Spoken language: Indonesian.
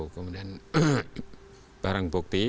kemudian barang bukti